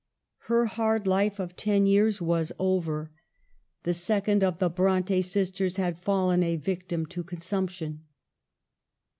Her hard life of ten 4 5 o EMILY BRONTE. years was over. The second of the Bronte sisters had fallen a victim to consumption.